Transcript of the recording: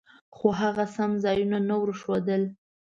خو هغه سم ځایونه نه ورښودل.